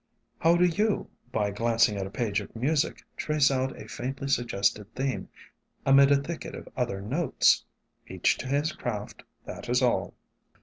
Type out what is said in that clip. "How do you, by glancing at a page of music, trace out a faintly suggested theme amid a thicket of other notes? Each to his craft, that is all."